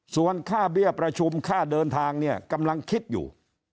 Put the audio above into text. ส่วนค่าเบี้ยประชุมค่าเดินทางเนี่ยกำลังคิดอยู่